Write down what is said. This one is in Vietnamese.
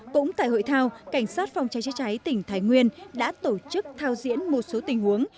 cũng tại hội thao cảnh sát phòng cháy cháy tỉnh thái nguyên đã tổ chức thao diễn một số tình huống